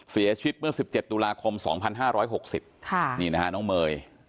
เสียชีวิตเมื่อสิบเจ็ดตุลาคมสองพันห้าร้อยหกสิบค่ะนี่นะฮะน้องเมย์